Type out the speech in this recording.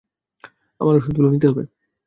আমার ওষুধ গুলো নিতে হবে।